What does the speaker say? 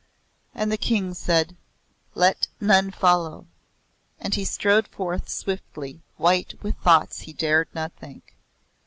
And the King said; "Let none follow." And he strode forth swiftly, white with thoughts he dared not think.